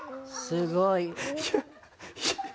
すごい。